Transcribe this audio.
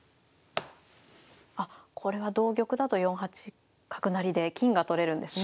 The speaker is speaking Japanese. あっこれは同玉だと４八角成で金が取れるんですね。